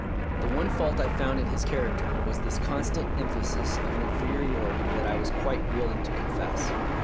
The one fault I found in his character was this constant emphasis of an inferiority that I was quite willing to confess.